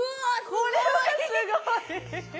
これはすごい！